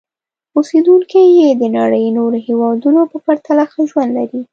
اوسېدونکي یې د نړۍ نورو هېوادونو په پرتله ښه ژوند لري.